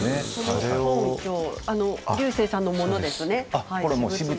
これは竜星さんのものですね。